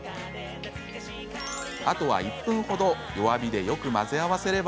あとは１分ほど弱火でよく混ぜ合わせれば。